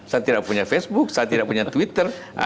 saya tidak punya facebook saya tidak punya twitter